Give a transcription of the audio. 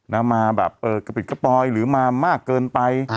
มาแบบเออกระปิดกระปอยหรือมามากเกินไป